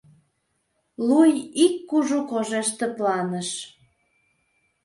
Луй ик кужу кожеш тыпланыш.